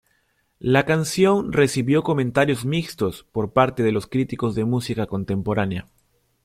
La canción recibió comentarios mixtos por parte de los críticos de música contemporánea.